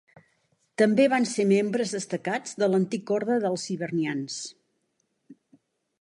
També van ser membres destacats de l'Antic Ordre dels Hibernians.